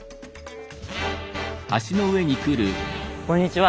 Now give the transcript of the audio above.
こんにちは。